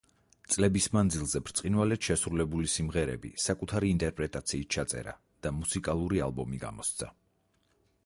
წლების მანძილზე ბრწყინვალედ შესრულებული სიმღერები საკუთარი ინტერპრეტაციით ჩაწერა და მუსიკალური ალბომი გამოსცა.